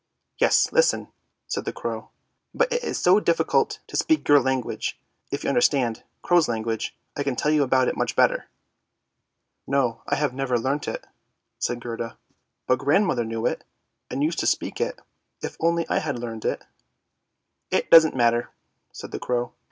Yes, listen," said the crow; " but it is so difficult to speak your language. If you understand ' crow's language,' 1 I can tell you about it much better." " No, I have never learnt it," said Gerda; " but grandmother knew it, and used to speak it. If only I had learnt it! "" It doesn't matter," said the crow.